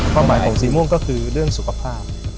ความหมายของสีม่วงก็คือเรื่องสุขภาพ